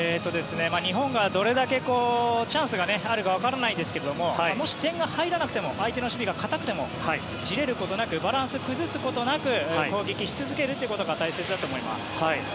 日本がどれだけチャンスがあるかわからないですけどももし点が入らなくても相手の守備が堅くても焦れることなくバランス崩すことなく攻撃し続けることが大切だと思います。